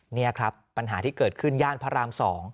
นี่ครับปัญหาที่เกิดขึ้นย่านพระราม๒